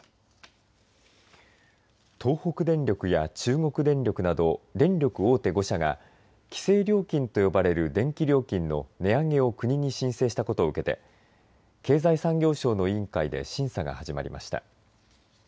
東北電力や中国電力など電力大手５社が規制料金と呼ばれる電気料金の値上げを国に申請したことを受けて経済産業省の委員会で審査が始まりました。